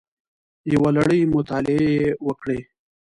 یوه لړۍ مطالعې یې وکړې